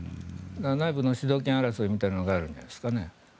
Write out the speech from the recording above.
内部の主導権争いみたいなのがあるんじゃないですかね。